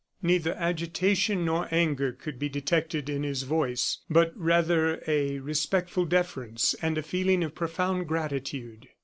Neither agitation nor anger could be detected in his voice; but, rather, a respectful deference, and a feeling of profound gratitude.